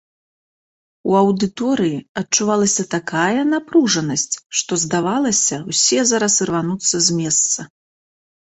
У аўдыторыі адчувалася такая напружанасць, што здавалася, усе зараз ірвануцца з месца.